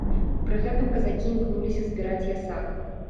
Пры гэтым казакі імкнуліся збіраць ясак.